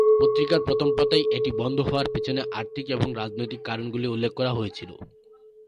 পত্রিকার প্রথম পাতায় এটি বন্ধ হওয়ার পিছনের আর্থিক এবং রাজনৈতিক কারণগুলি উল্লেখ করা হয়েছিল।